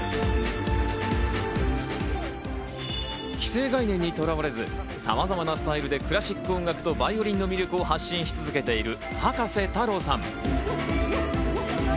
既成概念にとらわれず、様々なスタイルでクラシック音楽とバイオリンの魅力を発信し続けている葉加瀬太郎さん。